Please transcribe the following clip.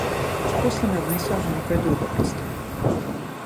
После ме однесоа на некое друго место.